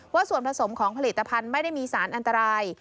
ส่วนผสมของผลิตภัณฑ์ไม่ได้มีสารอันตราย